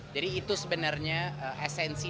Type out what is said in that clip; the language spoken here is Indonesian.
jadi itu sebenarnya esensi